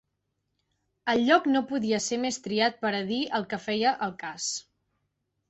El lloc no podia ser més triat pera dir el que feia el cas.